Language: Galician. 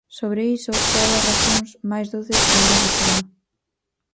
Sobre iso, podo dar razóns máis doces e máis de fondo.